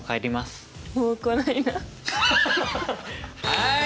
はい。